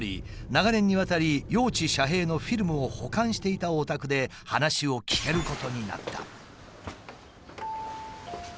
長年にわたり要地遮蔽のフィルムを保管していたお宅で話を聞けることになった。